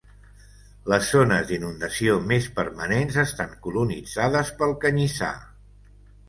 Les zones d’inundació més permanents estan colonitzades pel canyissar.